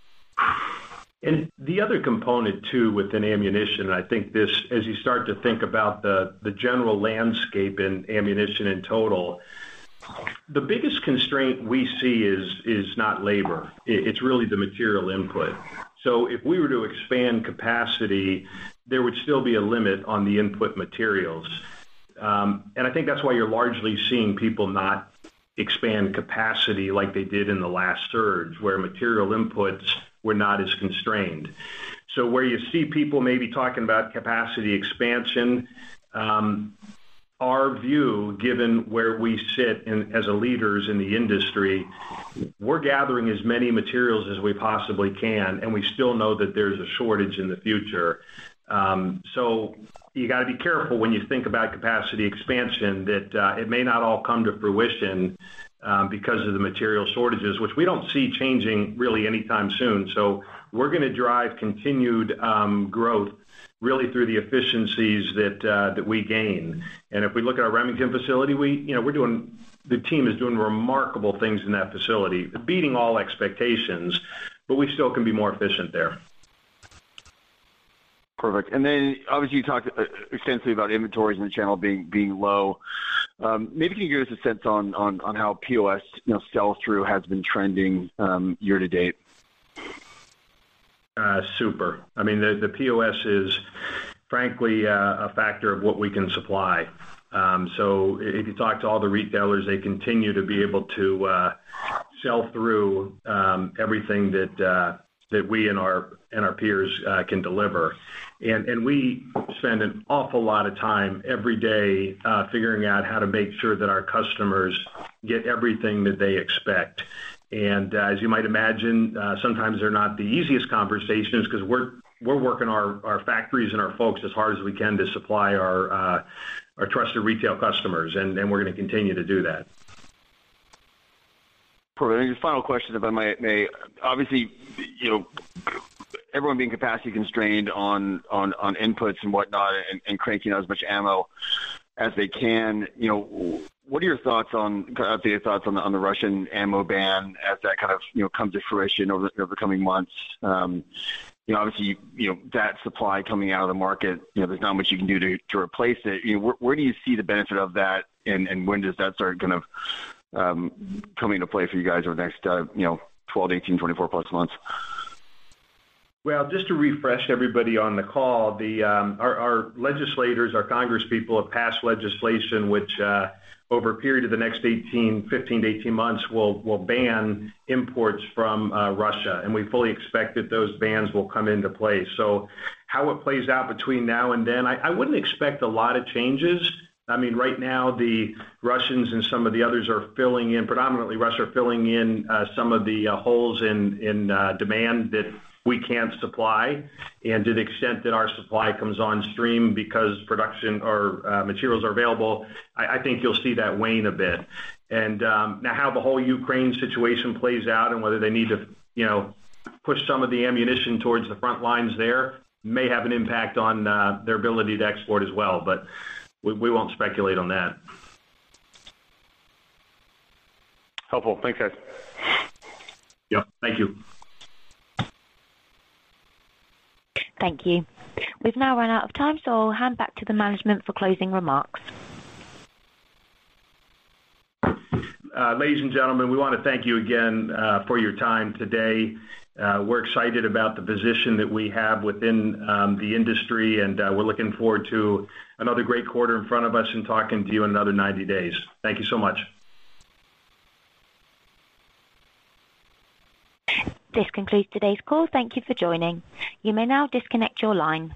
The other component too within ammunition, and I think this, as you start to think about the general landscape in ammunition in total, the biggest constraint we see is not labor. It's really the material input. If we were to expand capacity, there would still be a limit on the input materials. I think that's why you're largely seeing people not expand capacity like they did in the last surge, where material inputs were not as constrained. Where you see people maybe talking about capacity expansion, our view, given where we sit in as leaders in the industry, we're gathering as many materials as we possibly can, and we still know that there's a shortage in the future. You gotta be careful when you think about capacity expansion that it may not all come to fruition because of the material shortages, which we don't see changing really anytime soon. We're gonna drive continued growth really through the efficiencies that we gain. If we look at our Remington facility, you know, the team is doing remarkable things in that facility, beating all expectations, but we still can be more efficient there. Perfect. Then obviously you talked extensively about inventories in the channel being low. Maybe can you give us a sense on how POS, you know, sell-through has been trending, year-to-date? Super. I mean, the POS is frankly a factor of what we can supply. If you talk to all the retailers, they continue to be able to sell through everything that we and our peers can deliver. We spend an awful lot of time every day figuring out how to make sure that our customers get everything that they expect. As you might imagine, sometimes they're not the easiest conversations 'cause we're working our factories and our folks as hard as we can to supply our trusted retail customers, and we're gonna continue to do that. Perfect. Just final question, if I may. Obviously, you know, everyone being capacity constrained on inputs and whatnot and cranking out as much ammo as they can. You know, what are your thoughts on kind of update your thoughts on the Russian ammo ban as that kind of, you know, comes to fruition over coming months? You know, obviously, you know, that supply coming out of the market, you know, there's not much you can do to replace it. You know, where do you see the benefit of that, and when does that start kind of come into play for you guys over the next, you know, 12-18, 24+ months? Well, just to refresh everybody on the call, our legislators, our congresspeople have passed legislation which, over a period of the next 15-18 months will ban imports from Russia, and we fully expect that those bans will come into play. How it plays out between now and then, I wouldn't expect a lot of changes. I mean, right now the Russians and some of the others are filling in. Predominantly Russia is filling in some of the holes in demand that we can't supply. To the extent that our supply comes on stream because production or materials are available, I think you'll see that wane a bit. Now how the whole Ukraine situation plays out and whether they need to, you know, push some of the ammunition towards the front lines there may have an impact on their ability to export as well, but we won't speculate on that. Helpful. Thanks, guys. Yep. Thank you. Thank you. We've now run out of time, so I'll hand back to the management for closing remarks. Ladies and gentlemen, we wanna thank you again for your time today. We're excited about the position that we have within the industry, and we're looking forward to another great quarter in front of us and talking to you in another 90 days. Thank you so much. This concludes today's call. Thank you for joining. You may now disconnect your line.